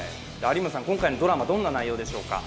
今回のドラマ、どんな内容でしょうか？